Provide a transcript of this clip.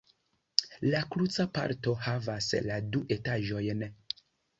La kruca parto havas la du etaĝojn.